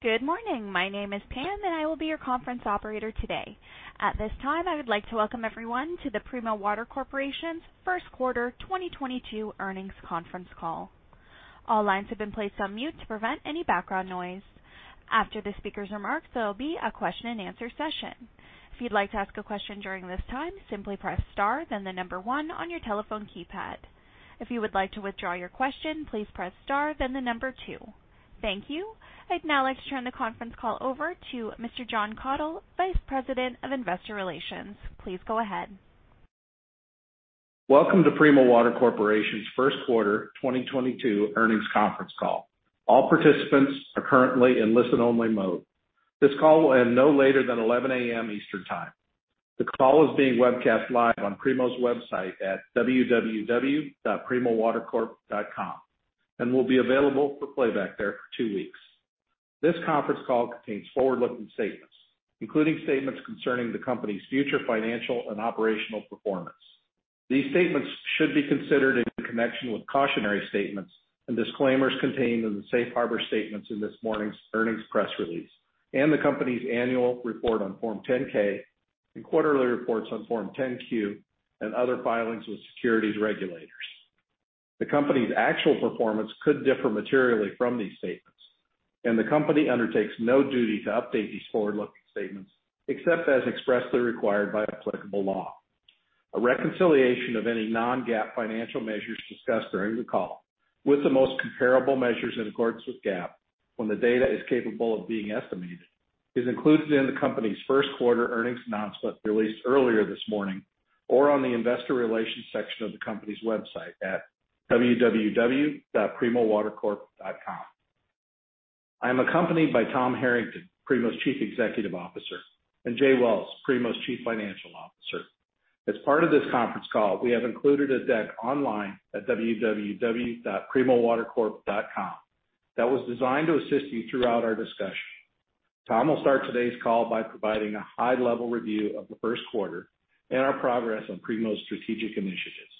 Good morning. My name is Pam, and I will be your conference operator today. At this time, I would like to welcome everyone to the Primo Water Corporation's first quarter 2022 earnings conference call. All lines have been placed on mute to prevent any background noise. After the speaker's remarks, there'll be a question-and-answer session. If you'd like to ask a question during this time, simply press star then the number one on your telephone keypad. If you would like to withdraw your question, please press star then the number two. Thank you. I'd now like to turn the conference call over to Mr. Jon Kathol, Vice President of Investor Relations. Please go ahead. Welcome to Primo Water Corporation's first quarter 2022 earnings conference call. All participants are currently in listen-only mode. This call will end no later than 11 A.M. Eastern Time. The call is being webcast live on Primo's website at www.primowatercorp.com and will be available for playback there for two weeks. This conference call contains forward-looking statements, including statements concerning the company's future financial and operational performance. These statements should be considered in connection with cautionary statements and disclaimers contained in the safe harbor statements in this morning's earnings press release and the company's annual report on Form 10-K and quarterly reports on Form 10-Q and other filings with securities regulators. The company's actual performance could differ materially from these statements, and the company undertakes no duty to update these forward-looking statements, except as expressly required by applicable law. A reconciliation of any non-GAAP financial measures discussed during the call with the most comparable measures in accordance with GAAP, when the data is capable of being estimated, is included in the company's first quarter earnings announcement released earlier this morning or on the investor relations section of the company's website at www.primowatercorp.com. I am accompanied by Tom Harrington, Primo's Chief Executive Officer, and Jay Wells, Primo's Chief Financial Officer. As part of this conference call, we have included a deck online at www.primowatercorp.com that was designed to assist you throughout our discussion. Tom will start today's call by providing a high-level review of the first quarter and our progress on Primo's strategic initiatives.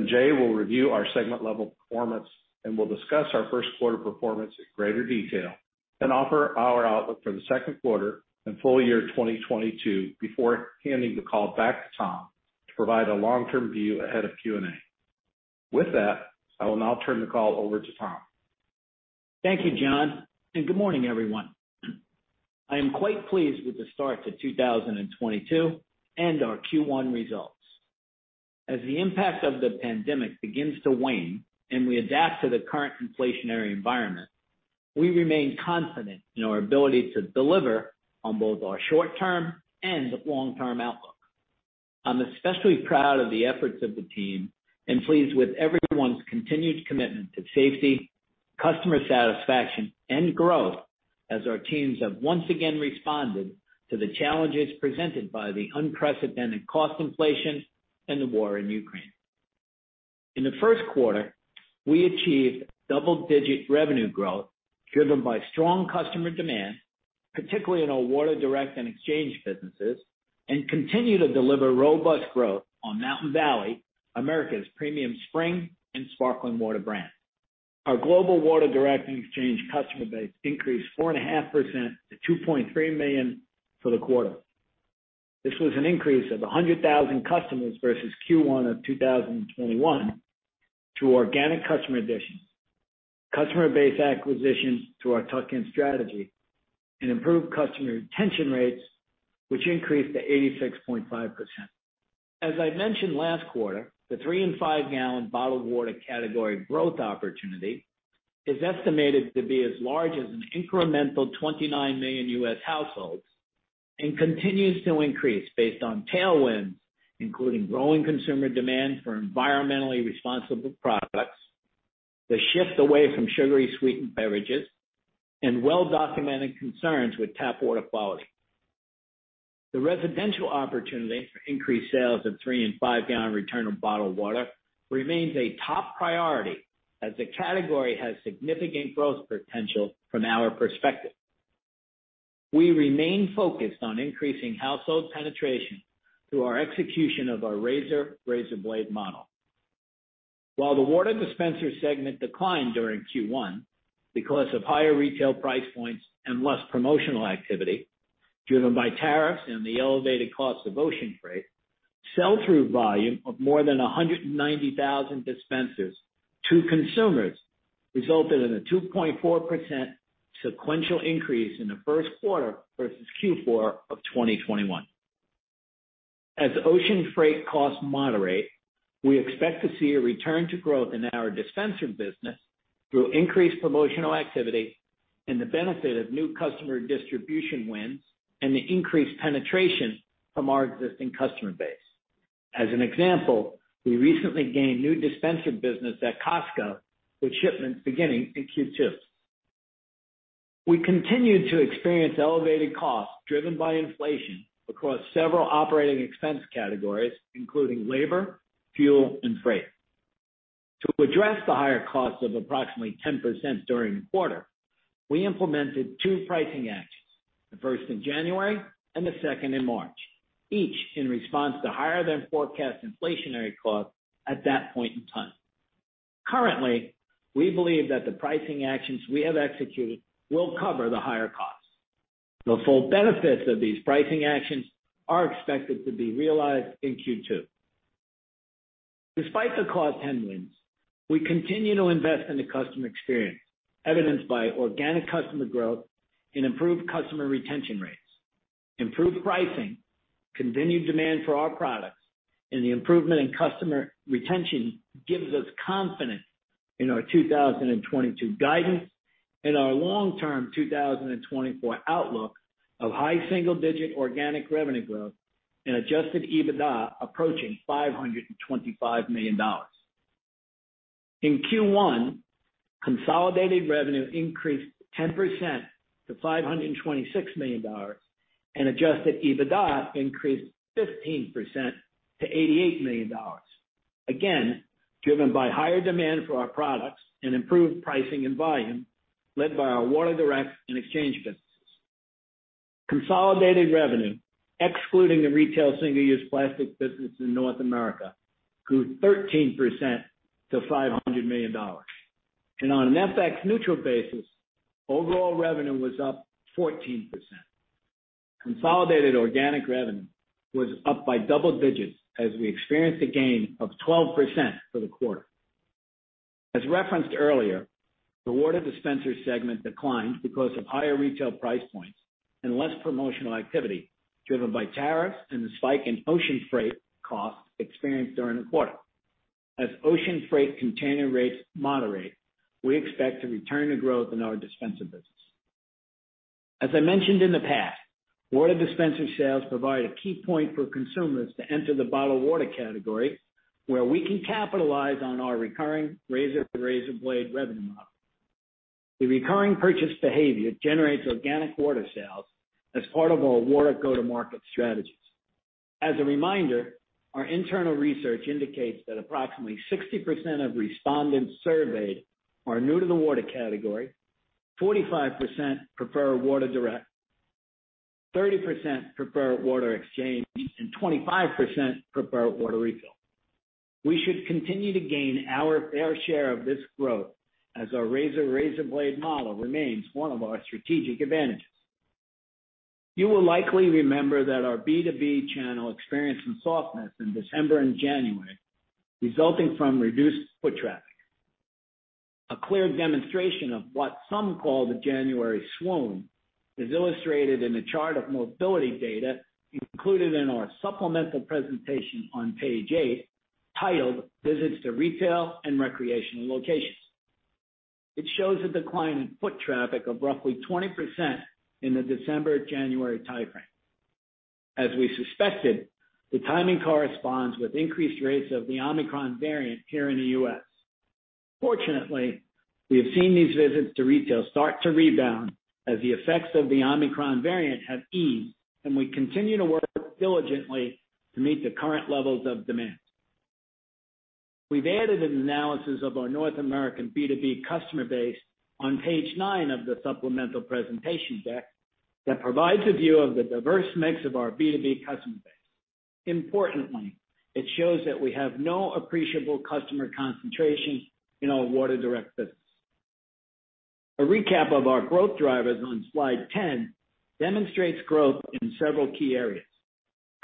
Jay will review our segment-level performance and will discuss our first quarter performance in greater detail and offer our outlook for the second quarter and full year 2022 before handing the call back to Tom to provide a long-term view ahead of Q&A. With that, I will now turn the call over to Tom. Thank you, Jon, and good morning, everyone. I am quite pleased with the start to 2022 and our Q1 results. As the impact of the pandemic begins to wane and we adapt to the current inflationary environment, we remain confident in our ability to deliver on both our short-term and long-term outlook. I'm especially proud of the efforts of the team and pleased with everyone's continued commitment to safety, customer satisfaction, and growth as our teams have once again responded to the challenges presented by the unprecedented cost inflation and the war in Ukraine. In the first quarter, we achieved double-digit revenue growth driven by strong customer demand, particularly in our Water Direct and Water Exchange businesses, and continue to deliver robust growth on Mountain Valley, America's premium spring and sparkling water brand. Our global Water Direct and Water Exchange customer base increased 4.5% to 2.3 million for the quarter. This was an increase of 100,000 customers versus Q1 of 2021 through organic customer additions, customer base acquisitions through our tuck-in strategy, and improved customer retention rates, which increased to 86.5%. As I mentioned last quarter, the 3- and 5-gal bottled water category growth opportunity is estimated to be as large as an incremental 29 million U.S. households and continues to increase based on tailwinds, including growing consumer demand for environmentally responsible products, the shift away from sugar-sweetened beverages, and well-documented concerns with tap water quality. The residential opportunity for increased sales of 3- and 5-gal returnable bottled water remains a top priority as the category has significant growth potential from our perspective. We remain focused on increasing household penetration through our execution of our razor blade model. While the water dispenser segment declined during Q1 because of higher retail price points and less promotional activity driven by tariffs and the elevated cost of ocean freight, sell-through volume of more than 190,000 dispensers to consumers resulted in a 2.4% sequential increase in the first quarter versus Q4 of 2021. As ocean freight costs moderate, we expect to see a return to growth in our dispenser business through increased promotional activity and the benefit of new customer distribution wins and the increased penetration from our existing customer base. As an example, we recently gained new dispenser business at Costco, with shipments beginning in Q2. We continued to experience elevated costs driven by inflation across several operating expense categories, including labor, fuel, and freight. To address the higher cost of approximately 10% during the quarter, we implemented two pricing actions. The first in January and the second in March, each in response to higher than forecast inflationary costs at that point in time. Currently, we believe that the pricing actions we have executed will cover the higher costs. The full benefits of these pricing actions are expected to be realized in Q2. Despite the cost headwinds, we continue to invest in the customer experience, evidenced by organic customer growth and improved customer retention rates. Improved pricing, continued demand for our products, and the improvement in customer retention gives us confidence in our 2022 guidance and our long-term 2024 outlook of high single-digit organic revenue growth and adjusted EBITDA approaching $525 million. In Q1, consolidated revenue increased 10% to $526 million, and adjusted EBITDA increased 15% to $88 million, again, driven by higher demand for our products and improved pricing and volume led by our Water Direct and Water Exchange businesses. Consolidated revenue, excluding the retail single-use plastic business in North America, grew 13% to $500 million. On an FX-neutral basis, overall revenue was up 14%. Consolidated organic revenue was up by double digits as we experienced a gain of 12% for the quarter. As referenced earlier, the water dispenser segment declined because of higher retail price points and less promotional activity, driven by tariffs and the spike in ocean freight costs experienced during the quarter. As ocean freight container rates moderate, we expect to return to growth in our dispenser business. As I mentioned in the past, water dispenser sales provide a key point for consumers to enter the bottled water category, where we can capitalize on our recurring razor-to-razorblade revenue model. The recurring purchase behavior generates organic water sales as part of our water go-to-market strategies. As a reminder, our internal research indicates that approximately 60% of respondents surveyed are new to the water category, 45% prefer Water Direct, 30% prefer Water Exchange, and 25% prefer Water Refill. We should continue to gain our fair share of this growth as our razor-razorblade model remains one of our strategic advantages. You will likely remember that our B2B channel experienced some softness in December and January, resulting from reduced foot traffic. A clear demonstration of what some call the January swoon is illustrated in the chart of mobility data included in our supplemental presentation on page eight, titled Visits to Retail and Recreational Locations. It shows a decline in foot traffic of roughly 20% in the December-January time frame. As we suspected, the timing corresponds with increased rates of the Omicron variant here in the U.S. Fortunately, we have seen these visits to retail start to rebound as the effects of the Omicron variant have eased, and we continue to work diligently to meet the current levels of demand. We've added an analysis of our North American B2B customer base on page nine of the supplemental presentation deck that provides a view of the diverse mix of our B2B customer base. Importantly, it shows that we have no appreciable customer concentration in our Water Direct business. A recap of our growth drivers on slide 10 demonstrates growth in several key areas.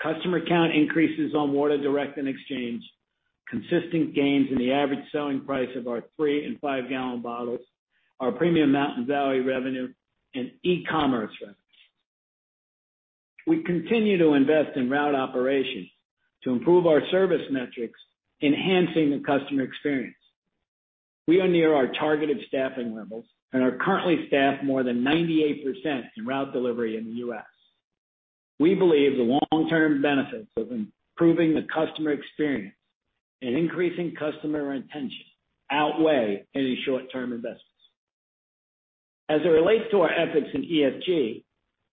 Customer count increases on Water Direct and Water Exchange, consistent gains in the average selling price of our 3- and 5-gal bottles, our premium Mountain Valley revenue, and e-commerce revenues. We continue to invest in route operations to improve our service metrics, enhancing the customer experience. We are near our targeted staffing levels and are currently staffed more than 98% in route delivery in the U.S. We believe the long-term benefits of improving the customer experience and increasing customer retention outweigh any short-term investments. As it relates to our efforts in ESG,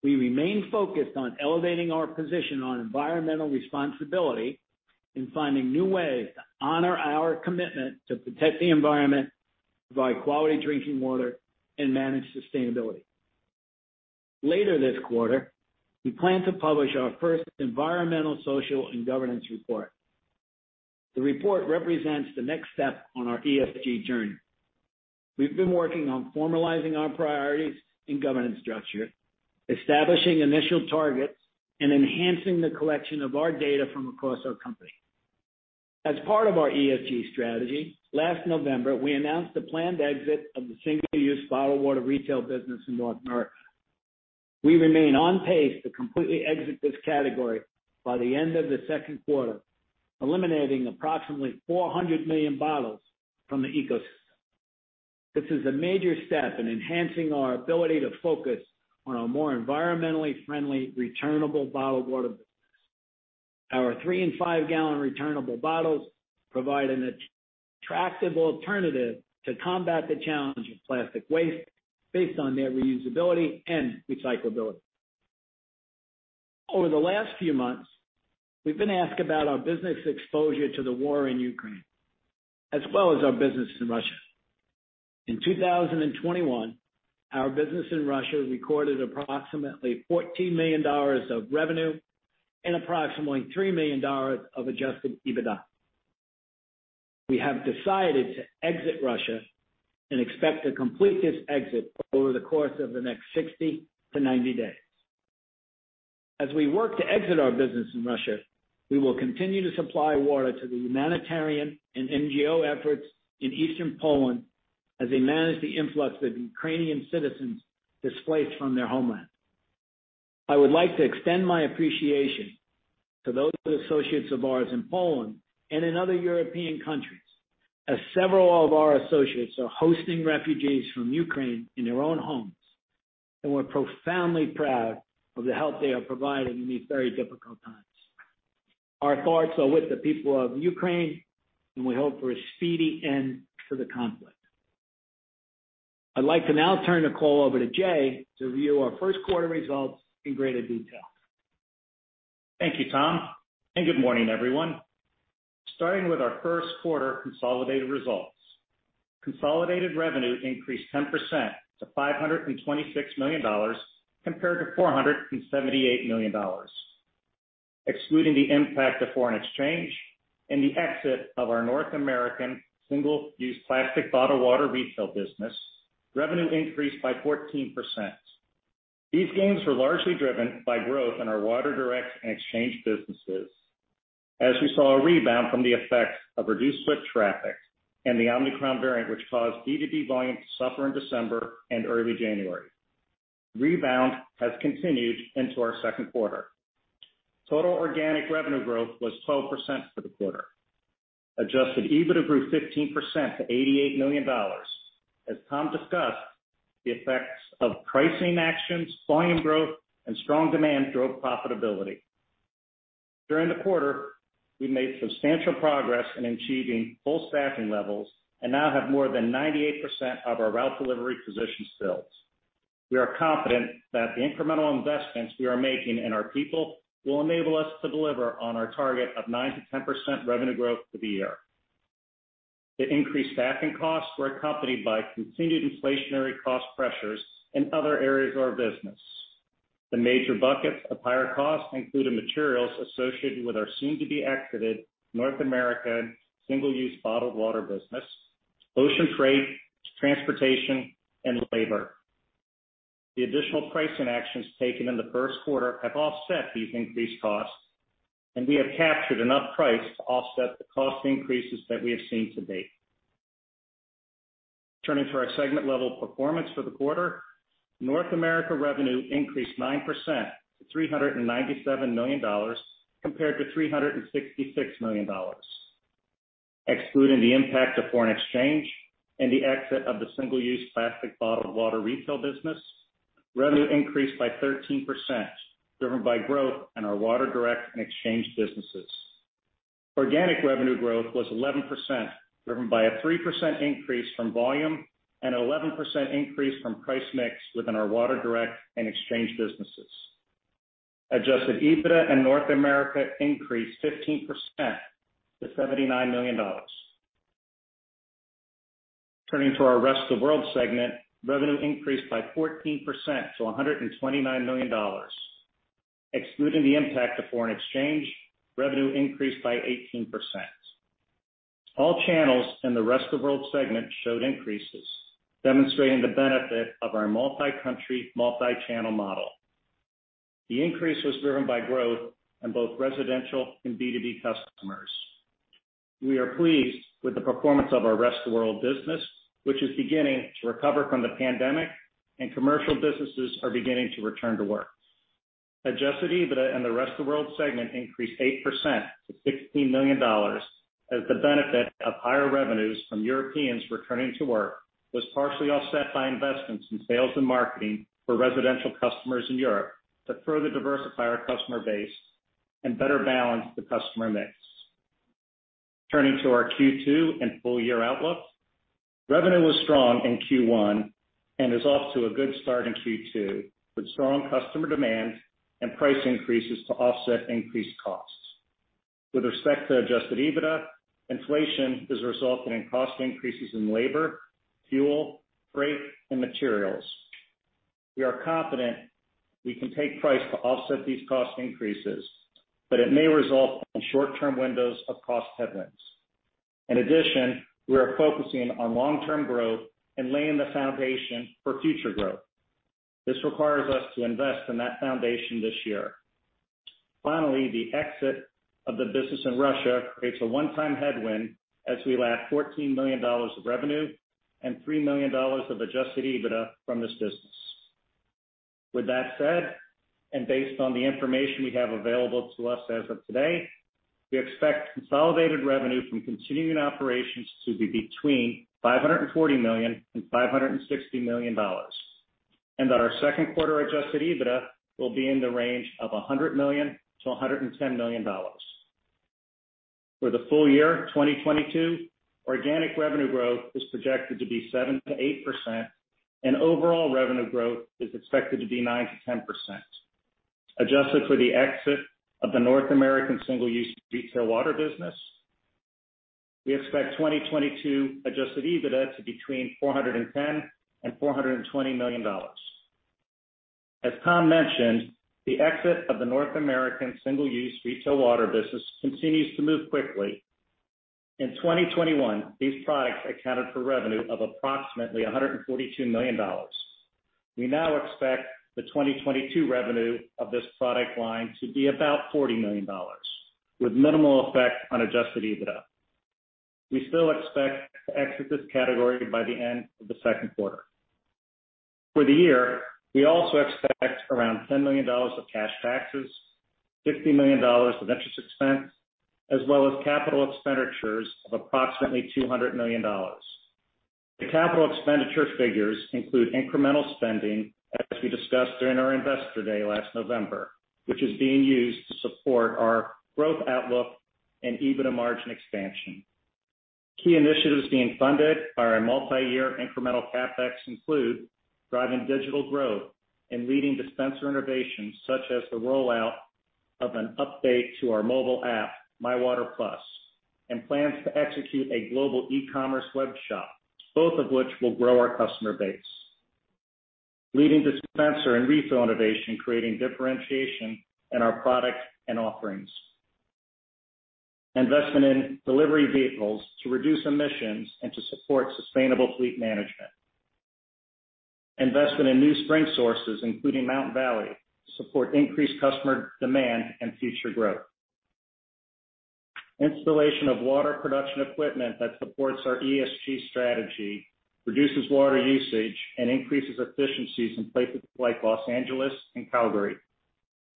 we remain focused on elevating our position on environmental responsibility and finding new ways to honor our commitment to protect the environment, provide quality drinking water, and manage sustainability. Later this quarter, we plan to publish our first environmental, social, and governance report. The report represents the next step on our ESG journey. We've been working on formalizing our priorities and governance structure, establishing initial targets, and enhancing the collection of our data from across our company. As part of our ESG strategy, last November, we announced the planned exit of the single-use bottled water retail business in North America. We remain on pace to completely exit this category by the end of the second quarter, eliminating approximately 400 million bottles from the ecosystem. This is a major step in enhancing our ability to focus on a more environmentally friendly returnable bottled water business. Our 3- and 5-gal returnable bottles provide an attractive alternative to combat the challenge of plastic waste based on their reusability and recyclability. Over the last few months, we've been asked about our business exposure to the war in Ukraine, as well as our business in Russia. In 2021, our business in Russia recorded approximately $14 million of revenue and approximately $3 million of adjusted EBITDA. We have decided to exit Russia and expect to complete this exit over the course of the next 60-90 days. As we work to exit our business in Russia, we will continue to supply water to the humanitarian and NGO efforts in eastern Poland as they manage the influx of Ukrainian citizens displaced from their homeland. I would like to extend my appreciation to those associates of ours in Poland and in other European countries, as several of our associates are hosting refugees from Ukraine in their own homes, and we're profoundly proud of the help they are providing in these very difficult times. Our thoughts are with the people of Ukraine, and we hope for a speedy end to the conflict. I'd like to now turn the call over to Jay to review our first quarter results in greater detail. Thank you, Tom, and good morning, everyone. Starting with our first quarter consolidated results. Consolidated revenue increased 10% to $526 million compared to $478 million. Excluding the impact of foreign exchange and the exit of our North American single-use plastic bottled Water Refill business, revenue increased by 14%. These gains were largely driven by growth in our Water Direct and Water Exchange businesses as we saw a rebound from the effects of reduced foot traffic and the Omicron variant, which caused B2B volume to suffer in December and early January. Rebound has continued into our second quarter. Total organic revenue growth was 12% for the quarter. Adjusted EBITDA grew 15% to $88 million. As Tom discussed, the effects of pricing actions, volume growth, and strong demand drove profitability. During the quarter, we made substantial progress in achieving full staffing levels and now have more than 98% of our route delivery positions filled. We are confident that the incremental investments we are making in our people will enable us to deliver on our target of 9%-10% revenue growth for the year. The increased staffing costs were accompanied by continued inflationary cost pressures in other areas of our business. The major buckets of higher costs included materials associated with our soon-to-be-exited North American single-use bottled water business, ocean freight, transportation, and labor. The additional pricing actions taken in the first quarter have offset these increased costs, and we have captured enough price to offset the cost increases that we have seen to date. Turning to our segment-level performance for the quarter. North America revenue increased 9% to $397 million compared to $366 million. Excluding the impact of foreign exchange and the exit of the single-use plastic bottled Water Refill business, revenue increased by 13%, driven by growth in our Water Direct and Water Exchange businesses. Organic revenue growth was 11%, driven by a 3% increase from volume and 11% increase from price mix within our Water Direct and Water Exchange businesses. Adjusted EBITDA in North America increased 15% to $79 million. Turning to our Rest of World segment, revenue increased by 14% to $129 million. Excluding the impact of foreign exchange, revenue increased by 18%. All channels in the Rest of World segment showed increases, demonstrating the benefit of our multi-country, multi-channel model. The increase was driven by growth in both residential and B2B customers. We are pleased with the performance of our Rest of World business, which is beginning to recover from the pandemic, and commercial businesses are beginning to return to work. Adjusted EBITDA in the Rest of World segment increased 8% to $16 million, as the benefit of higher revenues from Europeans returning to work was partially offset by investments in sales and marketing for residential customers in Europe to further diversify our customer base and better balance the customer mix. Turning to our Q2 and full-year outlook. Revenue was strong in Q1 and is off to a good start in Q2, with strong customer demand and price increases to offset increased costs. With respect to adjusted EBITDA, inflation is resulting in cost increases in labor, fuel, freight, and materials. We are confident we can take price to offset these cost increases, but it may result in short-term windows of cost headwinds. In addition, we are focusing on long-term growth and laying the foundation for future growth. This requires us to invest in that foundation this year. Finally, the exit of the business in Russia creates a one-time headwind as we lap $14 million of revenue and $3 million of adjusted EBITDA from this business. With that said, and based on the information we have available to us as of today, we expect consolidated revenue from continuing operations to be between $540 million and $560 million. Our second quarter adjusted EBITDA will be in the range of $100 million-$110 million. For the full year of 2022, organic revenue growth is projected to be 7%-8% and overall revenue growth is expected to be 9%-10%. Adjusted for the exit of the North American single-use retail water business, we expect 2022 adjusted EBITDA to be between $410 million and $420 million. As Tom mentioned, the exit of the North American single-use retail water business continues to move quickly. In 2021, these products accounted for revenue of approximately $142 million. We now expect the 2022 revenue of this product line to be about $40 million with minimal effect on adjusted EBITDA. We still expect to exit this category by the end of the second quarter. For the year, we also expect around $10 million of cash taxes, $50 million of interest expense, as well as capital expenditures of approximately $200 million. The capital expenditure figures include incremental spending, as we discussed during our investor day last November, which is being used to support our growth outlook and EBITDA margin expansion. Key initiatives being funded by our multi-year incremental CapEx include driving digital growth and leading dispenser innovations such as the rollout of an update to our mobile app, My Water+, and plans to execute a global e-commerce web shop, both of which will grow our customer base. Leading dispenser and refill innovation, creating differentiation in our products and offerings. Investment in delivery vehicles to reduce emissions and to support sustainable fleet management. Investment in new spring sources, including Mountain Valley, to support increased customer demand and future growth. Installation of water production equipment that supports our ESG strategy, reduces water usage and increases efficiencies in places like Los Angeles and Calgary.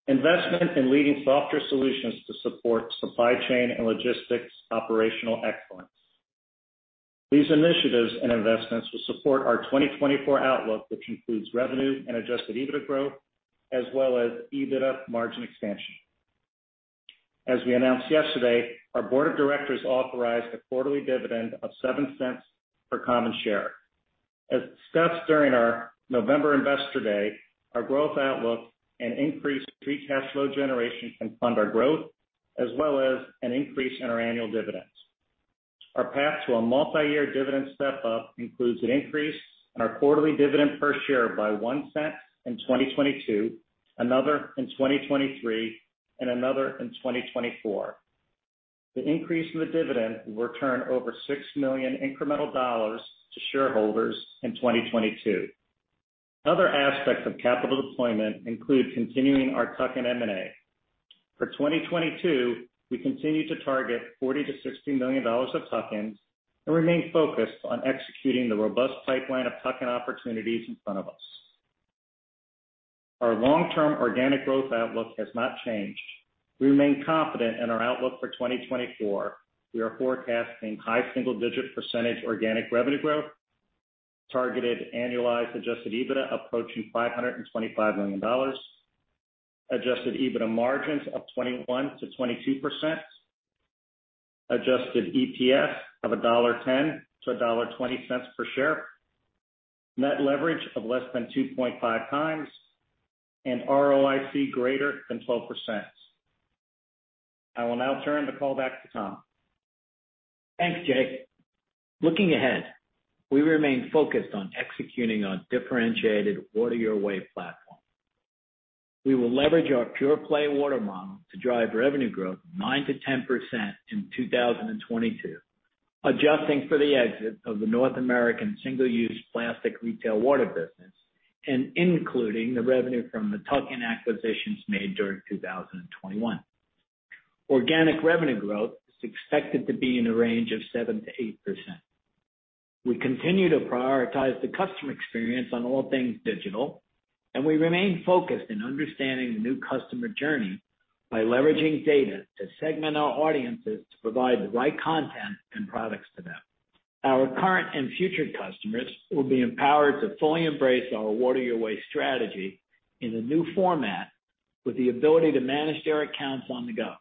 Investment in leading software solutions to support supply chain and logistics operational excellence. These initiatives and investments will support our 2024 outlook, which includes revenue and adjusted EBITDA growth, as well as EBITDA margin expansion. As we announced yesterday, our board of directors authorized a quarterly dividend of $0.07 per common share. As discussed during our November investor day, our growth outlook and increased free cash flow generation can fund our growth, as well as an increase in our annual dividends. Our path to a multi-year dividend step-up includes an increase in our quarterly dividend per share by $0.01 in 2022, another in 2023, and another in 2024. The increase in the dividend will return over $6 million incremental dollars to shareholders in 2022. Other aspects of capital deployment include continuing our tuck-in M&A. For 2022, we continue to target $40 million-$60 million of tuck-ins and remain focused on executing the robust pipeline of tuck-in opportunities in front of us. Our long-term organic growth outlook has not changed. We remain confident in our outlook for 2024. We are forecasting high single-digit % organic revenue growth, targeted annualized adjusted EBITDA approaching $525 million, adjusted EBITDA margins of 21%-22%, adjusted EPS of $1.10-$1.20 per share, net leverage of less than 2.5x, and ROIC greater than 12%. I will now turn the call back to Tom. Thanks, Jay. Looking ahead, we remain focused on executing our differentiated Water Your Way platform. We will leverage our pure play water model to drive revenue growth 9%-10% in 2022, adjusting for the exit of the North American single-use plastic retail water business and including the revenue from the tuck-in acquisitions made during 2021. Organic revenue growth is expected to be in the range of 7%-8%. We continue to prioritize the customer experience on all things digital, and we remain focused in understanding the new customer journey by leveraging data to segment our audiences to provide the right content and products to them. Our current and future customers will be empowered to fully embrace our Water Your Way strategy in a new format with the ability to manage their accounts on the go,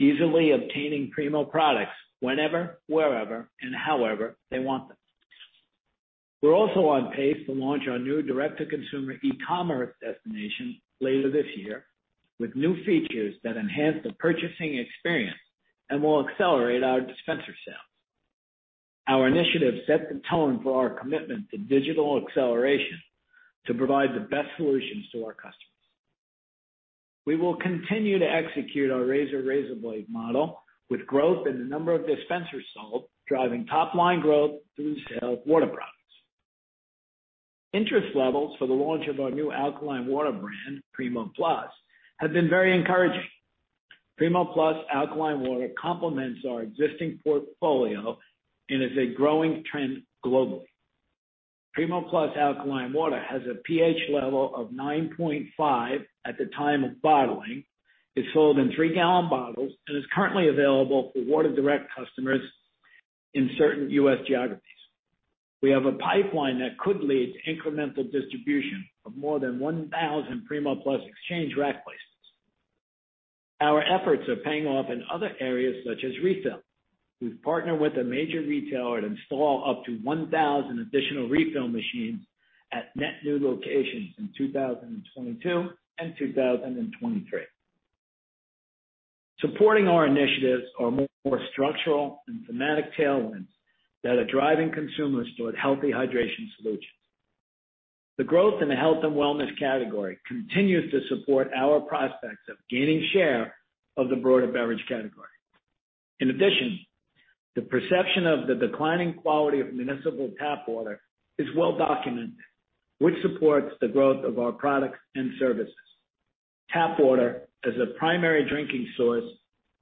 easily obtaining Primo products whenever, wherever, and however they want them. We're also on pace to launch our new direct-to-consumer e-commerce destination later this year with new features that enhance the purchasing experience and will accelerate our dispenser sales. Our initiatives set the tone for our commitment to digital acceleration to provide the best solutions to our customers. We will continue to execute our razor-razorblade model with growth in the number of dispensers sold, driving top-line growth through the sale of water products. Interest levels for the launch of our new alkaline water brand, Primo Plus, have been very encouraging. Primo Plus alkaline water complements our existing portfolio and is a growing trend globally. Primo Plus alkaline water has a pH level of 9.5 at the time of bottling. It's sold in three-gal bottles and is currently available for Water Direct customers in certain U.S. geographies. We have a pipeline that could lead to incremental distribution of more than 1,000 Primo Plus exchange rack places. Our efforts are paying off in other areas such as Refill. We've partnered with a major retailer to install up to 1,000 additional Refill machines at net new locations in 2022 and 2023. Supporting our initiatives are more structural and thematic tailwinds that are driving consumers toward healthy hydration solutions. The growth in the health and wellness category continues to support our prospects of gaining share of the broader beverage category. In addition, the perception of the declining quality of municipal tap water is well documented, which supports the growth of our products and services. Tap water as a primary drinking source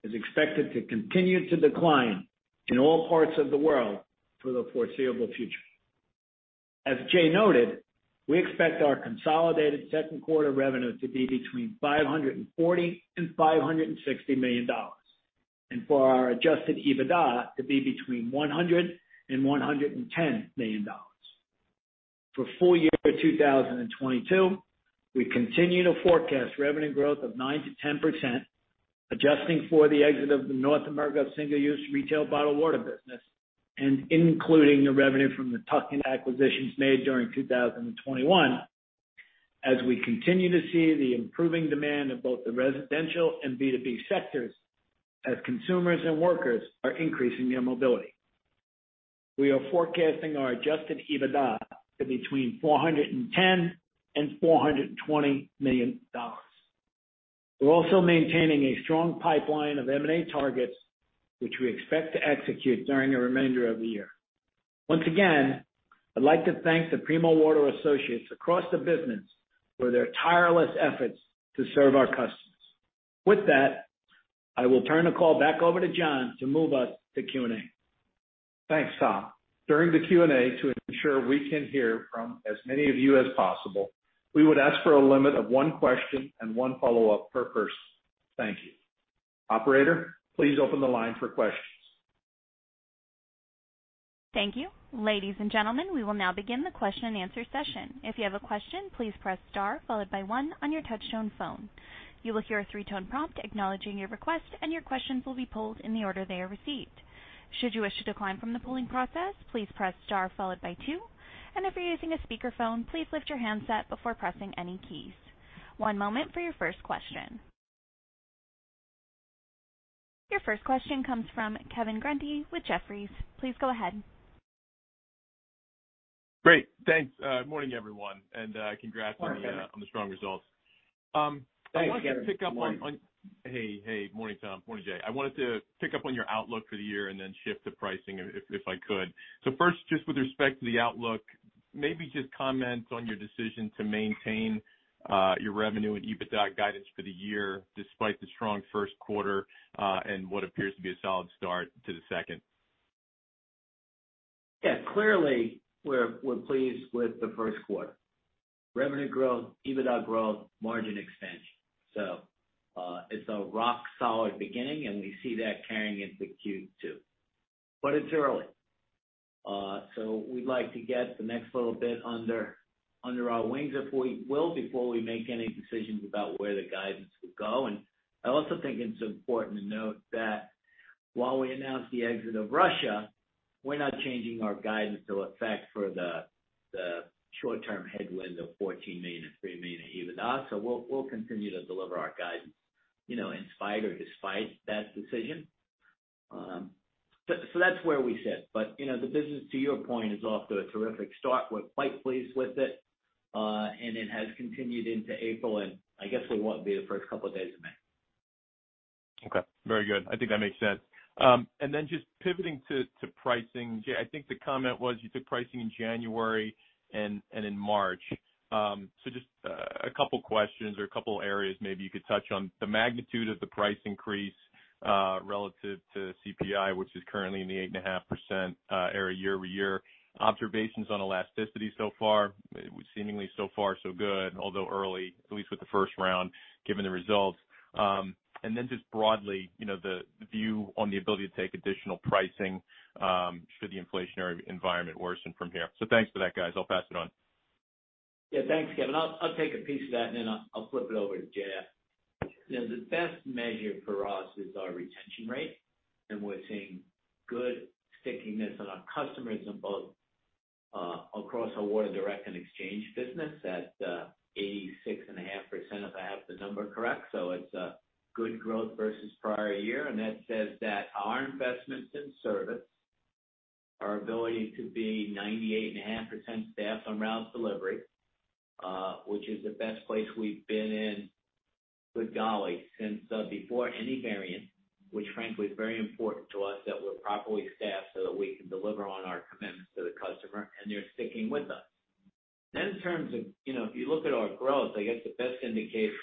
is expected to continue to decline in all parts of the world for the foreseeable future. As Jay noted, we expect our consolidated second quarter revenue to be between $540 million and $560 million, and for our adjusted EBITDA to be between $100 million and $110 million. For full year 2022, we continue to forecast revenue growth of 9%-10%, adjusting for the exit of the North America single-use retail bottled water business and including the revenue from the tuck-in acquisitions made during 2021 as we continue to see the improving demand of both the residential and B2B sectors as consumers and workers are increasing their mobility. We are forecasting our adjusted EBITDA to between $410 million and $420 million. We're also maintaining a strong pipeline of M&A targets, which we expect to execute during the remainder of the year. Once again, I'd like to thank the Primo Water Associates across the business for their tireless efforts to serve our customers. With that, I will turn the call back over to Jon to move us to Q&A. Thanks, Tom. During the Q&A, to ensure we can hear from as many of you as possible, we would ask for a limit of one question and one follow-up per person. Thank you. Operator, please open the line for questions. Thank you. Ladies and gentlemen, we will now begin the question and answer session. If you have a question, please press star followed by one on your touchtone phone. You will hear a three-tone prompt acknowledging your request, and your questions will be pulled in the order they are received. Should you wish to decline from the polling process, please press star followed by two. If you're using a speakerphone, please lift your handset before pressing any keys. One moment for your first question. Your first question comes from Kevin Grundy with Jefferies. Please go ahead. Great. Thanks. Good morning, everyone, and congrats. Morning, Kevin. On the strong results. Thanks, Kevin. Good morning. I wanted to pick up on. Hey. Hey. Morning, Tom. Morning, Jay. I wanted to pick up on your outlook for the year and then shift to pricing if I could. First, just with respect to the outlook, maybe just comment on your decision to maintain your revenue and EBITDA guidance for the year despite the strong first quarter and what appears to be a solid start to the second. Yeah. Clearly, we're pleased with the first quarter. Revenue growth, EBITDA growth, margin expansion. It's a rock solid beginning, and we see that carrying into Q2. It's early, so we'd like to get the next little bit under our wings if we will, before we make any decisions about where the guidance would go. I also think it's important to note that while we announced the exit of Russia, we're not changing our guidance to account for the short-term headwind of $14 million and $3 million in EBITDA. We'll continue to deliver our guidance, you know, in spite or despite that decision. That's where we sit. You know, the business, to your point, is off to a terrific start. We're quite pleased with it. It has continued into April, and I guess it won't be the first couple of days of May. Okay. Very good. I think that makes sense. Just pivoting to pricing. Jay, I think the comment was you took pricing in January and in March. Just a couple of questions or a couple of areas maybe you could touch on. The magnitude of the price increase relative to CPI, which is currently in the 8.5% area year-over-year. Observations on elasticity so far, seemingly so far so good, although early, at least with the first round, given the results. Just broadly, you know, the view on the ability to take additional pricing should the inflationary environment worsen from here. Thanks for that, guys. I'll pass it on. Yeah. Thanks, Kevin. I'll take a piece of that and then I'll flip it over to Jay. You know, the best measure for us is our retention rate, and we're seeing good stickiness on our customers in both across our Water Direct and Water Exchange business at 86.5%, if I have the number correct. It's a good growth versus prior year. That says that our investments in service, our ability to be 98.5% staffed on route delivery, which is the best place we've been in, good golly, since before any variant, which frankly is very important to us that we're properly staffed so that we can deliver on our commitments to the customer, and they're sticking with us. In terms of, you know, if you look at our growth, I guess the best indication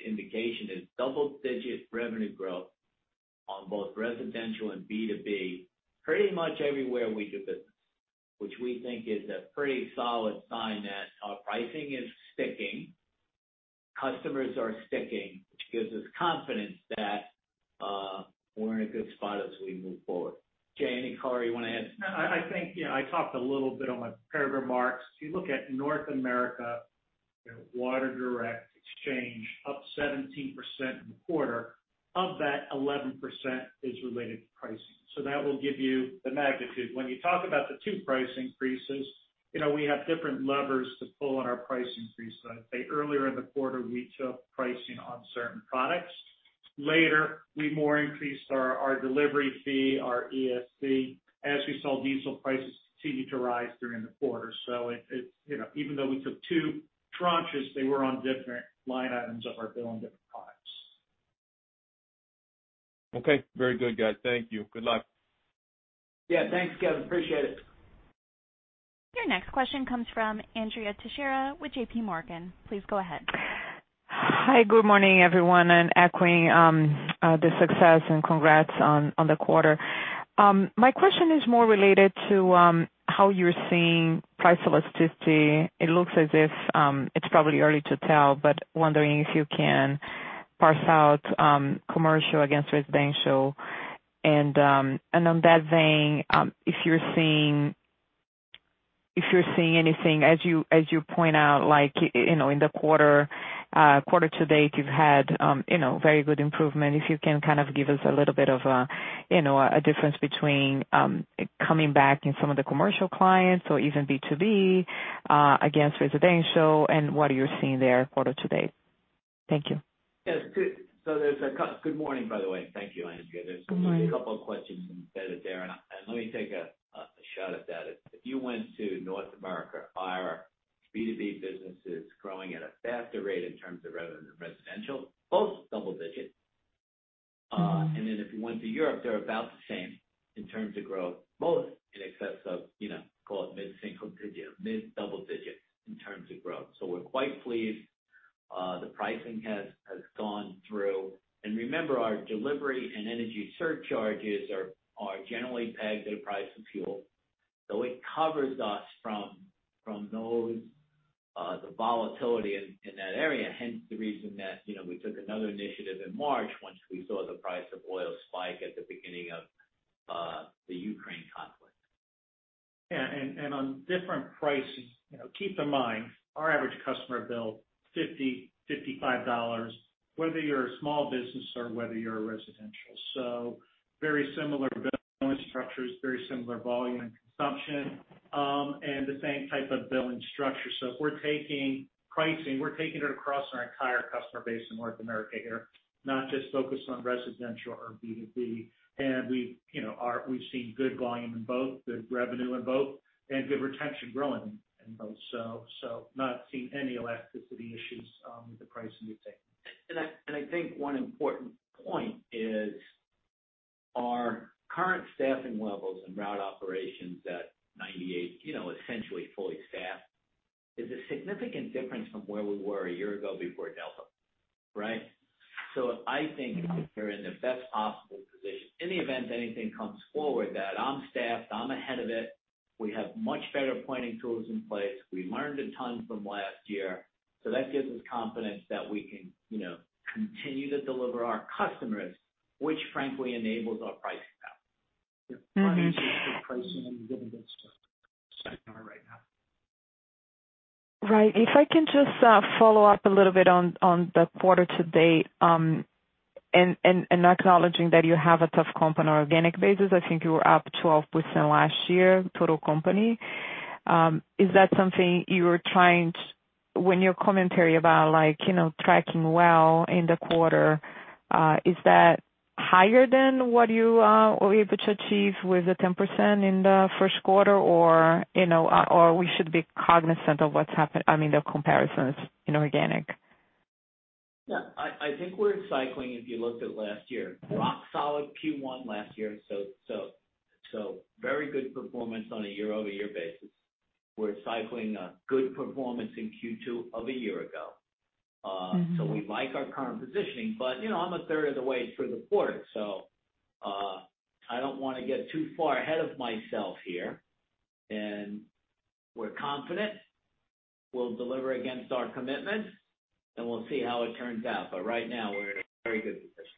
is double-digit revenue growth on both residential and B2B, pretty much everywhere we do business, which we think is a pretty solid sign that our pricing is sticking. Customers are sticking, which gives us confidence that we're in a good spot as we move forward. Jay, any color you wanna add? No. I think, you know, I talked a little bit on my prepared remarks. If you look at North America, you know, Water Direct, Exchange up 17% in the quarter. Of that, 11% is related to pricing. That will give you the magnitude. When you talk about the two price increases, you know, we have different levers to pull on our price increase. I'd say earlier in the quarter, we took pricing on certain products. Later, we more increased our delivery fee, our ESC, as we saw diesel prices continue to rise during the quarter. You know, even though we took two tranches, they were on different line items of our bill and different products. Okay. Very good, guys. Thank you. Good luck. Yeah, thanks, Kevin. Appreciate it. Your next question comes from Andrea Teixeira with JPMorgan. Please go ahead. Hi. Good morning, everyone, and echoing the success and congrats on the quarter. My question is more related to how you're seeing price elasticity. It looks as if it's probably early to tell, but wondering if you can parse out commercial against residential. On that vein, if you're seeing anything as you point out, like, you know, in the quarter to date, you've had, you know, very good improvement. If you can kind of give us a little bit of a, you know, a difference between coming back in some of the commercial clients or even B2B against residential and what you're seeing there quarter to date. Thank you. Yes. Good morning, by the way. Thank you, Andrea. Good morning. There's a couple of questions embedded there, and let me take a shot at that. If you went to North America, our B2B business is growing at a faster rate in terms of revenue than residential, both double-digit. Then if you went to Europe, they're about the same in terms of growth, both in excess of, call it mid-single-digit, mid-double-digit in terms of growth. So we're quite pleased, the pricing has gone through. Remember, our delivery and energy surcharges are generally pegged to the price of fuel. So it covers us from those, the volatility in that area, hence the reason that we took another initiative in March once we saw the price of oil spike at the beginning of the Ukraine conflict. Yeah. On different pricing, you know, keep in mind, our average customer bill $50-$55, whether you're a small business or whether you're a residential. Very similar billing structures, very similar volume and consumption, and the same type of billing structure. If we're taking pricing, we're taking it across our entire customer base in North America here, not just focused on residential or B2B. We've, you know, we've seen good volume in both, good revenue in both, and good retention growing in both. Not seeing any elasticity issues with the pricing we've taken. I think one important point is our current staffing levels and route operations at 98%, you know, essentially fully staffed, is a significant difference from where we were a year ago before Delta, right? I think we're in the best possible position. In the event anything comes forward that I'm staffed, I'm ahead of it, we have much better planning tools in place. We learned a ton from last year. That gives us confidence that we can, you know, continue to deliver our customers, which frankly enables our pricing power. Mm-hmm. Pricing and dividends just right now. Right. If I can just follow up a little bit on the quarter to date, and acknowledging that you have a tough comp on an organic basis. I think you were up 12% last year, total company. Is that something? When your commentary about like, you know, tracking well in the quarter, is that higher than what you were able to achieve with the 10% in the first quarter? Or, you know, or we should be cognizant of what's happened, I mean, the comparisons in organic? Yeah. I think we're cycling, if you looked at last year, rock solid Q1 last year, so very good performance on a year-over-year basis. We're cycling a good performance in Q2 of a year ago. Mm-hmm. We like our current positioning, but you know, I'm a third of the way through the quarter, so I don't wanna get too far ahead of myself here. We're confident we'll deliver against our commitments, and we'll see how it turns out. Right now we're in a very good position.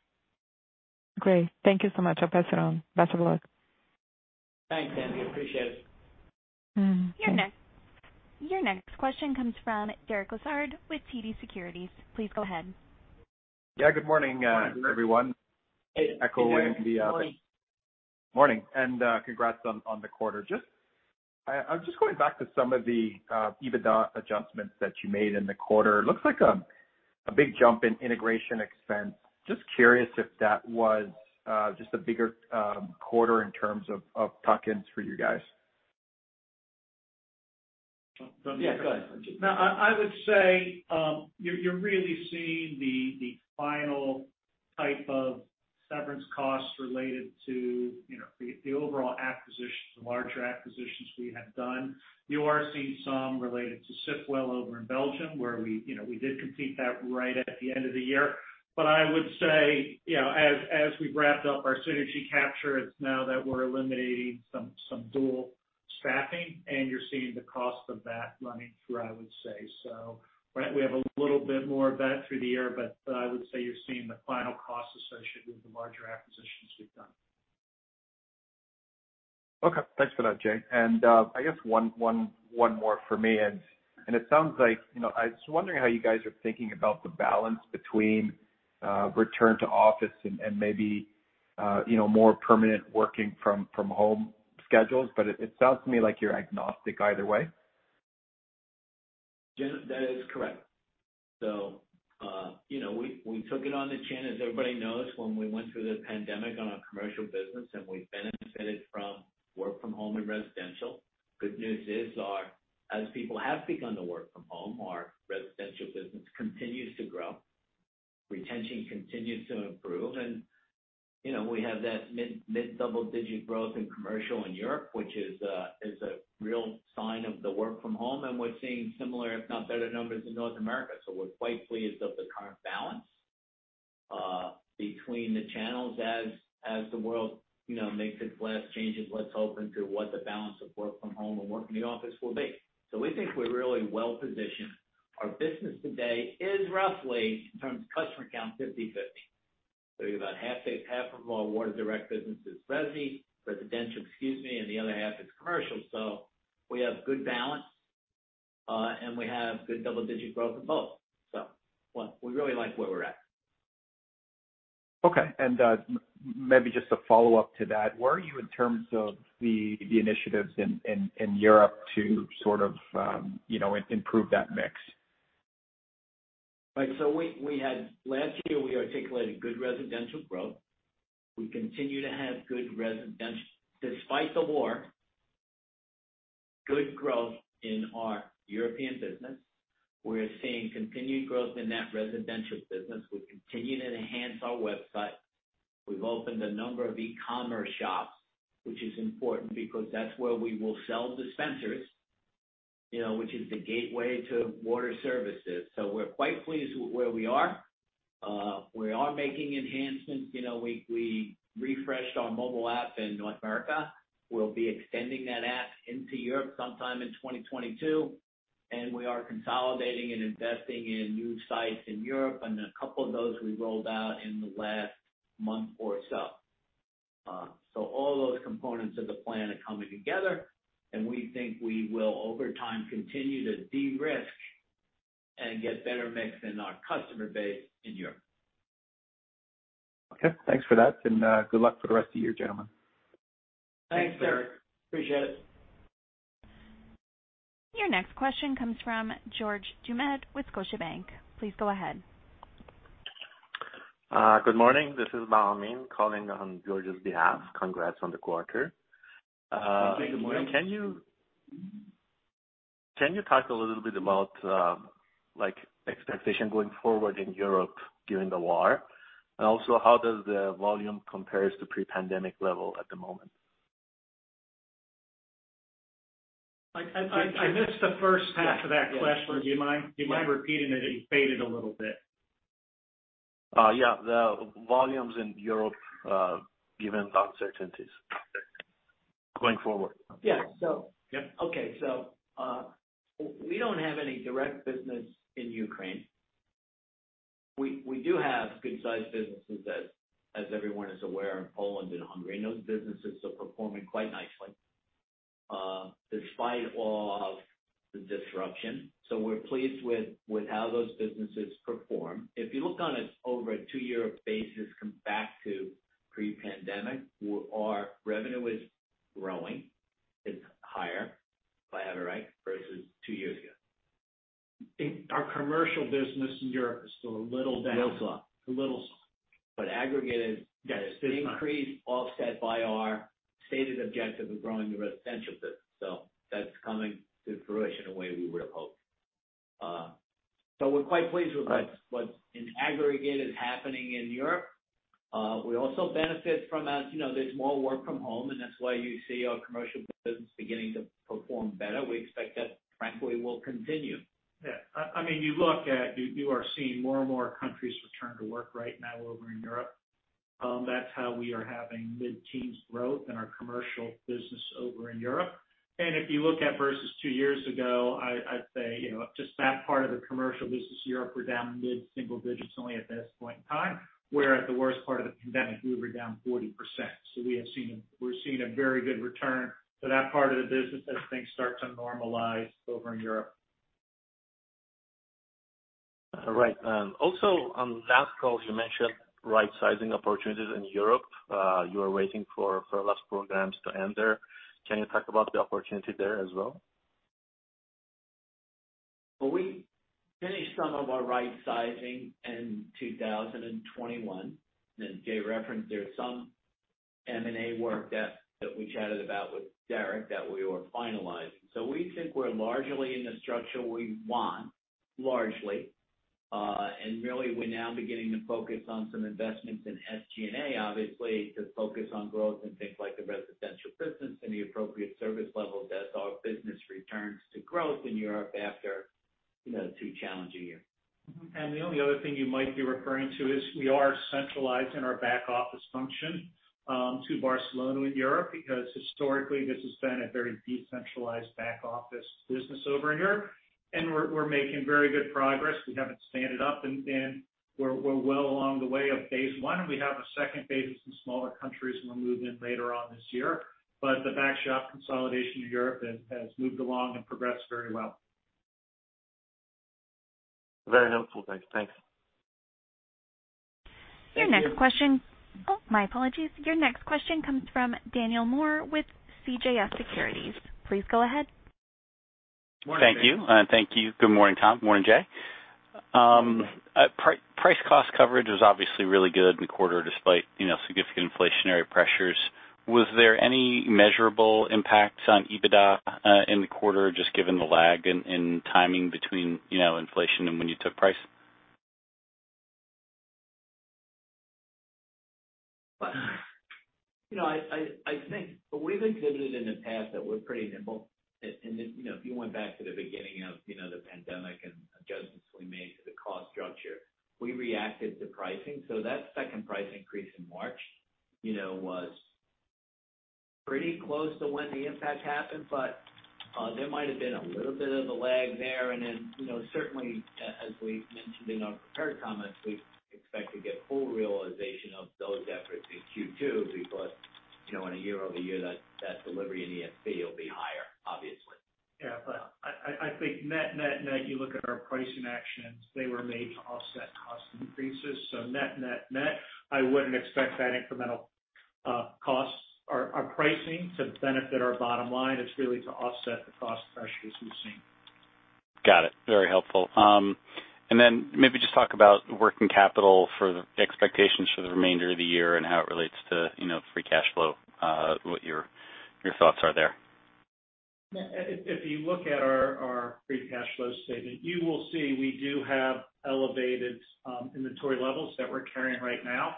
Great. Thank you so much. I'll pass it on. Best of luck. Thanks, Andrea. Appreciate it. Mm-hmm. Thanks. Your next question comes from Derek Lessard with TD Securities. Please go ahead. Yeah. Good morning, everyone. Hey. Good morning. Morning, and congrats on the quarter. I was just going back to some of the EBITDA adjustments that you made in the quarter. It looks like a big jump in integration expense. Just curious if that was just a bigger quarter in terms of tuck-ins for you guys. Yeah, go ahead. No, I would say, you're really seeing the final type of severance costs related to, you know, the overall acquisitions, the larger acquisitions we have done. You are seeing some related to SipWell over in Belgium, where we, you know, we did complete that right at the end of the year. I would say, you know, as we've wrapped up our synergy capture, it's now that we're eliminating some dual Staffing, and you're seeing the cost of that running through, I would say. Right, we have a little bit more of that through the year, but I would say you're seeing the final cost associated with the larger acquisitions we've done. Okay. Thanks for that, Jay. I guess one more for me. It sounds like, you know, I was wondering how you guys are thinking about the balance between return to office and maybe more permanent working from home schedules. It sounds to me like you're agnostic either way. Jon, that is correct. You know, we took it on the chin, as everybody knows, when we went through the pandemic on our commercial business, and we benefited from work from home and residential. Good news is, as people have begun to work from home, our residential business continues to grow. Retention continues to improve. You know, we have that mid-double digit growth in commercial in Europe, which is a real sign of the work from home, and we're seeing similar, if not better, numbers in North America. We're quite pleased with the current balance between the channels as the world makes its last changes, let's hope, into what the balance of work from home and work in the office will be. We think we're really well-positioned. Our business today is roughly, in terms of customer count, 50/50. About half of our Water Direct business is residential, excuse me, and the other half is commercial. We have good balance, and we have good double-digit growth in both. Well, we really like where we're at. Okay. Maybe just a follow-up to that. Where are you in terms of the initiatives in Europe to sort of, you know, improve that mix? Last year we articulated good residential growth. We continue to have good residential, despite the war, good growth in our European business. We're seeing continued growth in that residential business. We're continuing to enhance our website. We've opened a number of e-commerce shops, which is important because that's where we will sell dispensers, you know, which is the gateway to water services. We're quite pleased with where we are. We are making enhancements. You know, we refreshed our mobile app in North America. We'll be extending that app into Europe sometime in 2022, and we are consolidating and investing in new sites in Europe, and a couple of those we rolled out in the last month or so. All those components of the plan are coming together, and we think we will over time continue to de-risk and get better mix in our customer base in Europe. Okay. Thanks for that. Good luck for the rest of the year, gentlemen. Thanks, Derek. Appreciate it. Your next question comes from George Doumet with Scotiabank. Please go ahead. Good morning. This is Bahamin calling on George's behalf. Congrats on the quarter. Good morning. Can you talk a little bit about, like, expectation going forward in Europe during the war? Also, how does the volume compares to pre-pandemic level at the moment? I missed the H1 of that question. Do you mind repeating it? It faded a little bit. The volumes in Europe, given the uncertainties going forward. Yeah. Yeah. Okay. We don't have any direct business in Ukraine. We do have good-sized businesses as everyone is aware, in Poland and Hungary, and those businesses are performing quite nicely, despite all of the disruption. We're pleased with how those businesses perform. If you look over a two-year basis compared back to pre-pandemic, our revenue is growing. It's higher, if I have it right, versus two years ago. I think our commercial business in Europe is still a little down. A little slow. Aggregated. Yes. The increase offset by our stated objective of growing the residential business. That's coming to fruition the way we would have hoped. We're quite pleased with what's in aggregate is happening in Europe. We also benefit from, as you know, there's more work from home, and that's why you see our commercial business beginning to perform better. We expect that, frankly, will continue. Yeah. I mean, you are seeing more and more countries return to work right now over in Europe. That's how we are having mid-teens growth in our commercial business over in Europe. If you look at versus two years ago, I'd say, you know, just that part of the commercial business Europe, we're down mid-single digits only at this point in time, where at the worst part of the pandemic we were down 40%. We're seeing a very good return to that part of the business as things start to normalize over in Europe. All right. Also on last call you mentioned right-sizing opportunities in Europe. You are waiting for lease programs to end there. Can you talk about the opportunity there as well? Well, we finished some of our right-sizing in 2021. As Jay referenced, there's some M&A work that we chatted about with Derek that we were finalizing. We think we're largely in the structure we want. Largely. Really, we're now beginning to focus on some investments in SG&A, obviously, to focus on growth in things like the residential business and the appropriate service levels as our business returns to growth in Europe after, you know, two challenging years. The only other thing you might be referring to is we are centralizing our back-office function to Barcelona in Europe, because historically, this has been a very decentralized back-office business over in Europe. We're making very good progress. We have it stood up, and we're well along the way of phase one, and we have a second phase of some smaller countries, and we'll move in later on this year. The back-office consolidation in Europe has moved along and progressed very well. Very helpful. Thanks. Thanks. Thank you. Oh, my apologies. Your next question comes from Daniel Moore with CJS Securities. Please go ahead. Morning, Dan. Thank you. Thank you. Good morning, Tom. Morning, Jay. Price cost coverage was obviously really good in the quarter despite, you know, significant inflationary pressures. Was there any measurable impacts on EBITDA in the quarter, just given the lag in timing between, you know, inflation and when you took price? You know, I think what we've exhibited in the past that we're pretty nimble. You know, if you went back to the beginning of, you know, the pandemic and adjustments we made to the cost structure, we reacted to pricing. That second price increase in March, you know, was pretty close to when the impact happened, but there might have been a little bit of a lag there. You know, certainly as we mentioned in our prepared comments, we expect to get full realization of those efforts in Q2 because, you know, on a year-over-year, that delivery in ESC will be higher, obviously. I think net-net-net, you look at our pricing actions, they were made to offset cost increases. net-net-net, I wouldn't expect that incremental costs or our pricing to benefit our bottom line. It's really to offset the cost pressures we've seen. Got it. Very helpful. Maybe just talk about working capital for the expectations for the remainder of the year and how it relates to, you know, free cash flow, what your thoughts are there. If you look at our free cash flow statement, you will see we do have elevated inventory levels that we're carrying right now.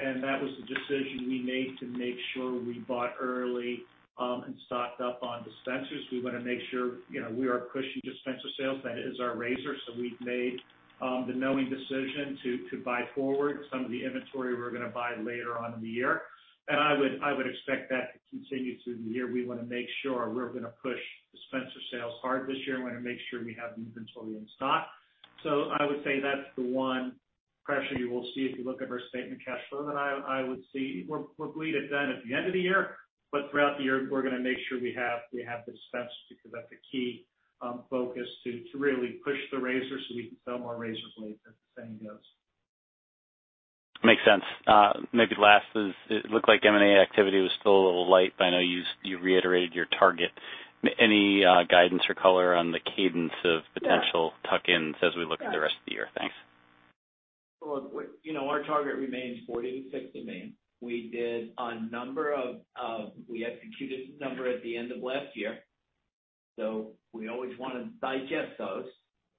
That was the decision we made to make sure we bought early and stocked up on dispensers. We wanna make sure, you know, we are pushing dispenser sales. That is our razor. We've made the knowing decision to buy forward some of the inventory we're gonna buy later on in the year. I would expect that to continue through the year. We wanna make sure we're gonna push dispenser sales hard this year. We wanna make sure we have the inventory in stock. I would say that's the one pressure you will see if you look at our statement of cash flow. I would say we'll build it then at the end of the year, but throughout the year, we're gonna make sure we have the dispensers because that's a key focus to really push the razor so we can sell more razor blades as the saying goes. Makes sense. Maybe last quarter it looked like M&A activity was still a little light, but I know you reiterated your target. Any guidance or color on the cadence of potential tuck-ins as we look at the rest of the year? Thanks. Well, you know, our target remains $40 million-$60 million. We did a number of we executed a number at the end of last year, so we always wanna digest those,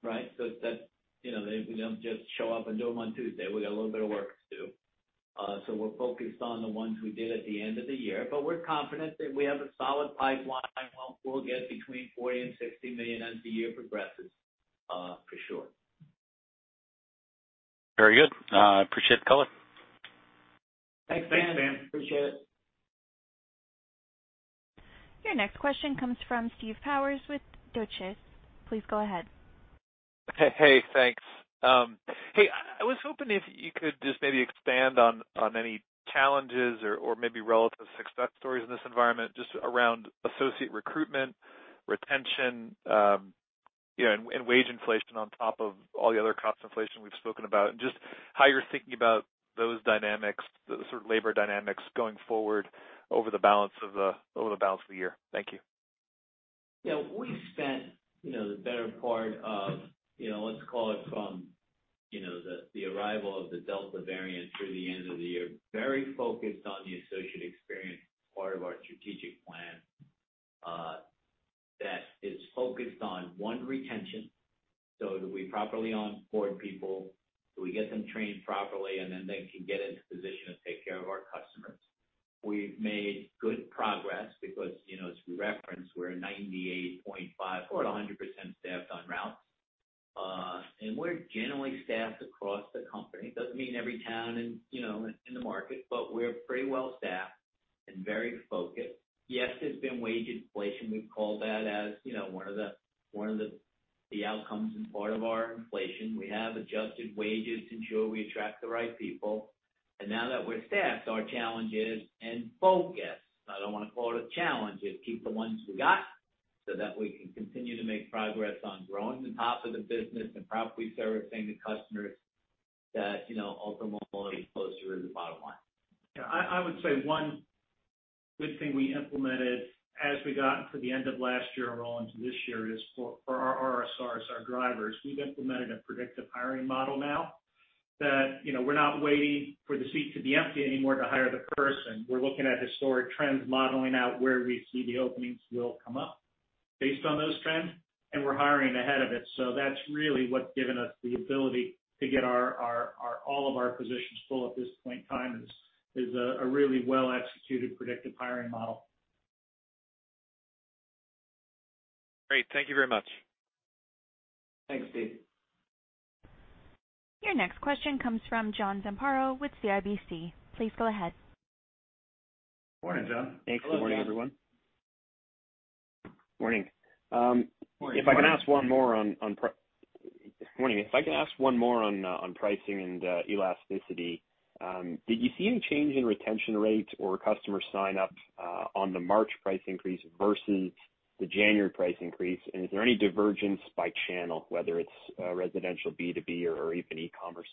right? That, you know, we don't just show up and do them on Tuesday. We got a little bit of work to do. We're focused on the ones we did at the end of the year. We're confident that we have a solid pipeline. We'll get between $40 million and $60 million as the year progresses, for sure. Very good. Appreciate the color. Thanks, Dan. Thanks, Dan. Appreciate it. Your next question comes from Steve Powers with Deutsche Bank. Please go ahead. Hey. Hey, thanks. Hey, I was hoping if you could just maybe expand on any challenges or maybe relative success stories in this environment, just around associate recruitment, retention, you know, and wage inflation on top of all the other cost inflation we've spoken about. Just how you're thinking about those dynamics, the sort of labor dynamics going forward over the balance of the year. Thank you. Yeah. We've spent, you know, the better part of, you know, let's call it from, you know, the arrival of the Delta variant through the end of the year, very focused on the associate experience as part of our strategic plan that is focused on, one, retention. Do we properly onboard people? Do we get them trained properly, and then they can get into position to take care of our customers? We've made good progress because, you know, as we referenced, we're 98.5% or 100% staffed on routes. We're generally staffed across the company. Doesn't mean every town in, you know, in the market, but we're pretty well staffed and very focused. Yes, there's been wage inflation. We've called that as, you know, one of the outcomes and part of our inflation. We have adjusted wages to ensure we attract the right people. Now that we're staffed, our challenge is, and focus, I don't wanna call it a challenge, is keep the ones we got so that we can continue to make progress on growing the top of the business and properly servicing the customers that, you know, ultimately flows through to the bottom line. Yeah. I would say one good thing we implemented as we got into the end of last year and roll into this year is for our RSRs, our drivers, we've implemented a predictive hiring model now that, you know, we're not waiting for the seat to be empty anymore to hire the person. We're looking at historic trends, modeling out where we see the openings will come up based on those trends, and we're hiring ahead of it. That's really what's given us the ability to get all of our positions full at this point in time is a really well-executed predictive hiring model. Great. Thank you very much. Thanks, Steve. Your next question comes from John Zamparo with CIBC. Please go ahead. Morning, John. Hello, John. Thanks. Good morning, everyone. Morning. Morning, John. If I can ask one more on pricing and elasticity, did you see any change in retention rate or customer sign-ups on the March price increase versus the January price increase? Is there any divergence by channel, whether it's residential, B2B or even e-commerce?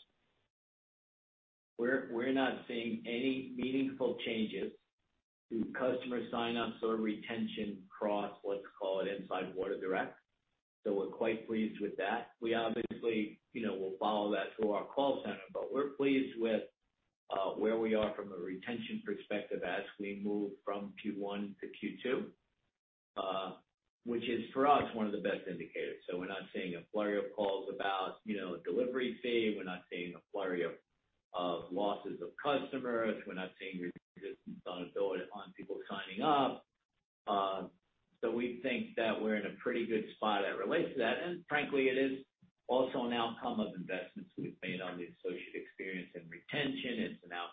We're not seeing any meaningful changes to customer sign-ups or retention across, let's call it, inside Water Direct. We're quite pleased with that. We obviously, you know, will follow that through our call center, but we're pleased with where we are from a retention perspective as we move from Q1 to Q2, which is for us, one of the best indicators. We're not seeing a flurry of calls about, you know, delivery fee. We're not seeing a flurry of losses of customers. We're not seeing resistance on people signing up. We think that we're in a pretty good spot that relates to that. Frankly, it is also an outcome of investments we've made on the associate experience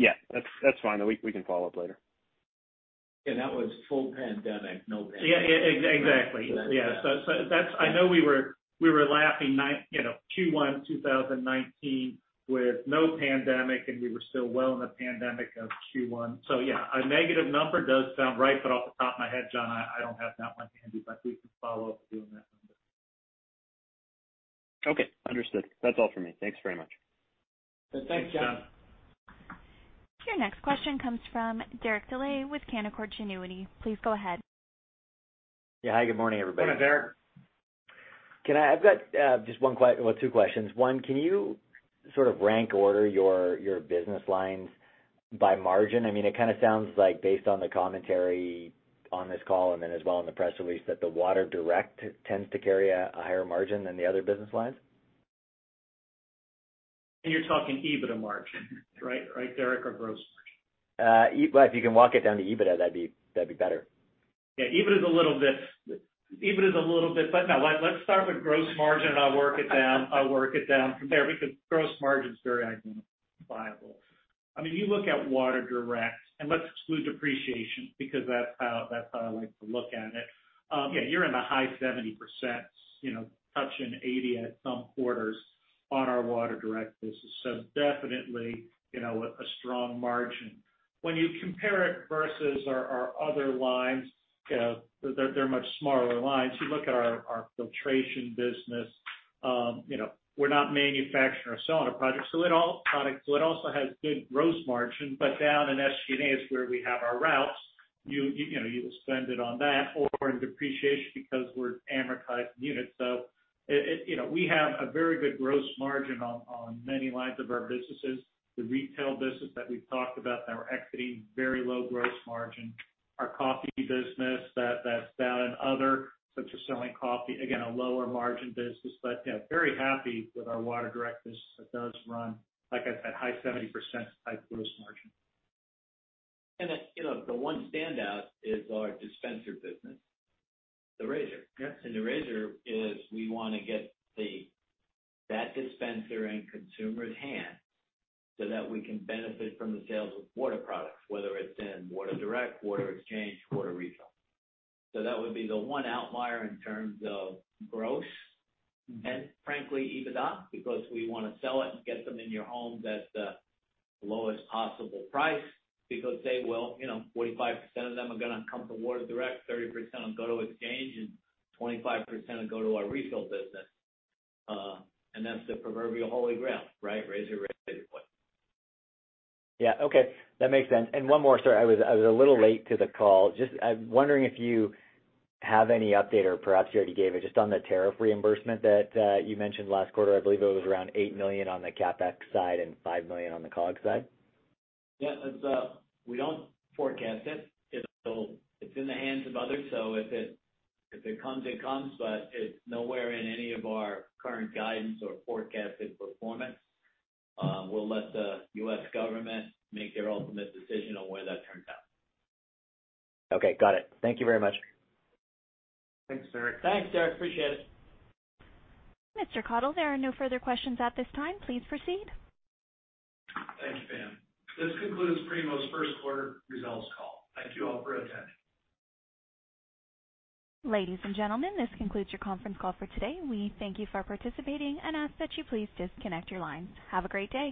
Yeah, that's fine. We can follow up later. Yeah, that was full pandemic. No pandemic. Yeah, exactly. Yeah. That's. I know we were laughing, you know, Q1 2019 with no pandemic, and we were still well in the pandemic of Q1. Yeah, a negative number does sound right, but off the top of my head, John, I don't have that one handy, but we can follow up with you on that number. Okay, understood. That's all for me. Thanks very much. Thanks, John. Your next question comes from Derek Dley with Canaccord Genuity. Please go ahead. Yeah. Hi, good morning, everybody. Good morning, Derek. I've got just one, well, two questions. One, can you sort of rank order your business lines by margin? I mean, it kinda sounds like based on the commentary on this call and then as well in the press release, that the Water Direct tends to carry a higher margin than the other business lines. You're talking EBITDA margin, right, Derek? Or gross margin? Well, if you can walk it down to EBITDA, that'd be better. Yeah, EBITDA's a little bit. No, let's start with gross margin, and I'll work it down from there because gross margin's very identifiable. I mean, you look at Water Direct, and let's exclude depreciation because that's how I like to look at it. Yeah, you're in the high 70%s, you know, touching 80% at some quarters on our Water Direct business. So definitely, you know, a strong margin. When you compare it versus our other lines, they're much smaller lines. You look at our filtration business, you know, we're not manufacturing or selling a product, so it also has good gross margin. Down in SG&A is where we have our routes. You know, you will spend it on that or in depreciation because we're amortizing units. It. You know, we have a very good gross margin on many lines of our businesses. The retail business that we've talked about that we're exiting, very low gross margin. Our coffee business, that's down in other, since we're selling coffee, again, a lower margin business. You know, very happy with our Water Direct business that does run, like I said, high 70% type gross margin. You know, the one standout is our dispenser business, the razor. Yes. The razor is we wanna get that dispenser in consumer's hand so that we can benefit from the sales of water products, whether it's in Water Direct, Water Exchange, Water Refill. That would be the one outlier in terms of gross and frankly, EBITDA, because we wanna sell it and get them in your homes at the lowest possible price because they will, you know, 45% of them are gonna come from Water Direct, 30% will go to Exchange, and 25% will go to our Refill business. That's the proverbial holy grail, right? Razor, razor point. Yeah. Okay. That makes sense. One more, sorry. I was a little late to the call. Just, I'm wondering if you have any update or perhaps you already gave it, just on the tariff reimbursement that you mentioned last quarter. I believe it was around $8 million on the CapEx side and $5 million on the COGS side. We don't forecast it. It's in the hands of others, so if it comes, it comes, but it's nowhere in any of our current guidance or forecasted performance. We'll let the U.S. government make their ultimate decision on where that turns out. Okay. Got it. Thank you very much. Thanks, Derek. Thanks, Derek. Appreciate it. Mr. Kathol, there are no further questions at this time. Please proceed. Thanks, Pam. This concludes Primo's first quarter results call. Thank you all for attending. Ladies and gentlemen, this concludes your conference call for today. We thank you for participating and ask that you please disconnect your lines. Have a great day.